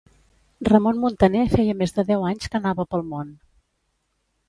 Ramon Muntaner feia més de deu anys que anava pel món.